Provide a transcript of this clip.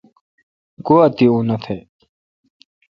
گوا تی انتھ۔